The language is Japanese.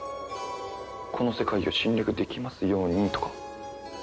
「この世界を侵略できますように」とか。